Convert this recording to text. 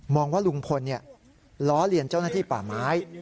ว่าลุงพลล้อเลียนเจ้าหน้าที่ป่าไม้